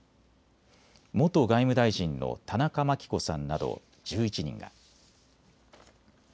元外務大臣の田中眞紀子さんなど１１人が。